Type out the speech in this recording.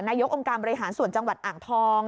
กองการบริหารส่วนจังหวัดอ่างทอง